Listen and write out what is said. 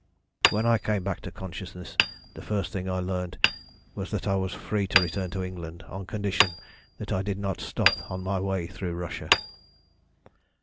"When I came back to consciousness, the first thing I learnt was that I was free to return to England on condition that I did not stop on my way through Russia.